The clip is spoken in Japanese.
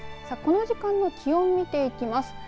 さあ、この時間の気温見ていきます。